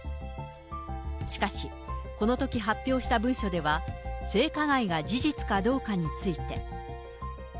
しかし、このとき発表した文書では、性加害が事実かどうかについて。